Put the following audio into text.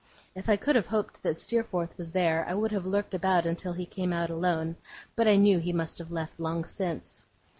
If I could have hoped that Steerforth was there, I would have lurked about until he came out alone; but I knew he must have left long since.